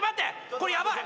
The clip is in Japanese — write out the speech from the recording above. これヤバい！